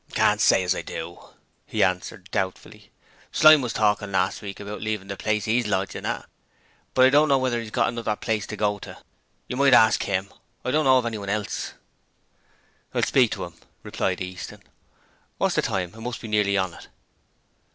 'Can't say as I do,' he answered, doubtfully. 'Slyme was talking last week about leaving the place 'e's lodging at, but I don't know whether 'e's got another place to go to. You might ask him. I don't know of anyone else.' 'I'll speak to 'im,' replied Easton. 'What's the time? it must be nearly on it.'